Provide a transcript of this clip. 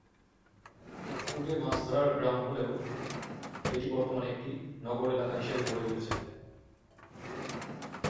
পূর্বে মাছ ধরার গ্রাম হলেও এটি বর্তমানে একটি নগর এলাকা হিসেবে গড়ে উঠেছে।